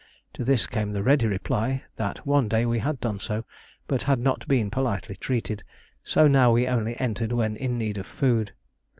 To this came the ready reply that one day we had done so, but had not been politely treated, so now we only entered when in need of food.